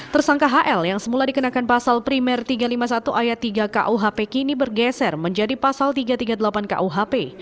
tersangka hl yang semula dikenakan pasal primer tiga ratus lima puluh satu ayat tiga kuhp kini bergeser menjadi pasal tiga ratus tiga puluh delapan kuhp